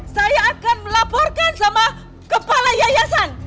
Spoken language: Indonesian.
saya akan melaporkan sama kepala yayasan